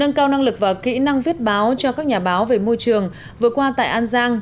nâng cao năng lực và kỹ năng viết báo cho các nhà báo về môi trường vừa qua tại an giang